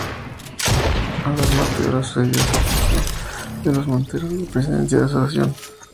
Asas Manterola sucedió a Espinosa de los Monteros en la presidencia de la Asociación.